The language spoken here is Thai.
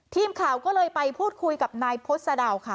ทีมข่าวก็เลยไปพูดคุยกับนายพศดาวค่ะ